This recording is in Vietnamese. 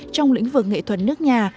trong lĩnh vực nghệ thuật nước nhà